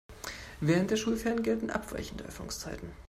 Während der Schulferien gelten abweichende Öffnungszeiten.